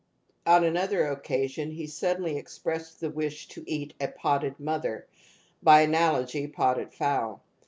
On another occasion he suddenly expressed the wish to eat a '' potted mother " (by analogy, potted fowl).